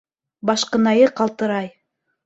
Башҡынайы ҡалтырай